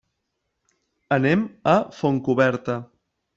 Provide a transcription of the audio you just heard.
Anem a Fontcoberta.